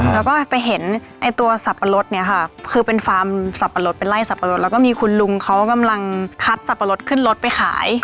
เราก็ไปเห็นตัวสับปะรดเนี่ยค่ะคือเป็นไล่สับปะรดแล้วก็มีคุณลุงเขากำลังคัดสับปะรดขึ้นรถไปขาย